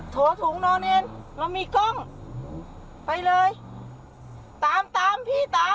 ถุงนอนเองเรามีกล้องไปเลยตามตามพี่ตาม